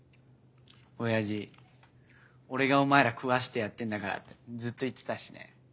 親父「俺がお前ら食わせてやってんだから」ってずっと言ってたしね。